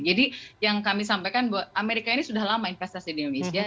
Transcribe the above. jadi yang kami sampaikan amerika ini sudah lama investasi di indonesia